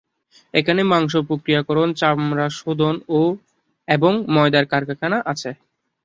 এখানে মাংস প্রক্রিয়াকরণ, চামড়া শোধন, এবং ময়দার কারখানা আছে।